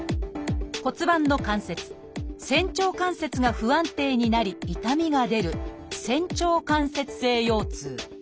骨盤の関節「仙腸関節」が不安定になり痛みが出る「仙腸関節性腰痛」。